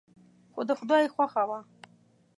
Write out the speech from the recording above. خو د خدای خوښه وه.